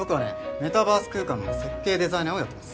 メタバース空間の設計デザイナーをやってます